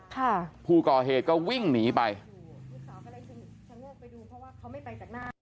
ค่ะผู้ก่อเหตุก็วิ่งหนีไปโอ้โหลูกสาวก็เลยชะโงกไปดูเพราะว่าเขาไม่ไปจากหน้า